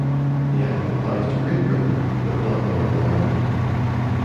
The Act applies to Great Britain but not Northern Ireland.